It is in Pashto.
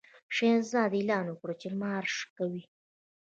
شهزاده اعلان وکړ چې مارش کوي.